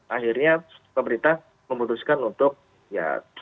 akhirnya pemerintah memutuskan untuk ya